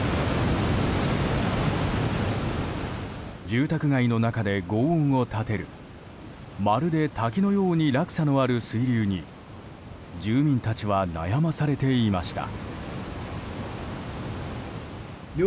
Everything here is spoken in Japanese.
住宅街の中で轟音を立てるまるで滝のように落差のある水流に住民たちは悩まされていました。